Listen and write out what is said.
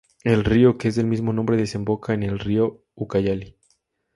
El río que es del mismo nombre desemboca en el río Ucayali.